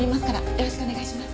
よろしくお願いします。